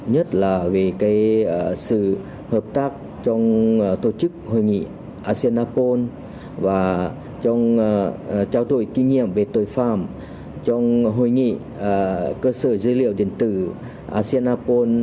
nhất là về sự hợp tác trong tổ chức hội nghị asean apol và trong trao đổi kinh nghiệm về tội phạm trong hội nghị cơ sở dữ liệu điện tử asean apol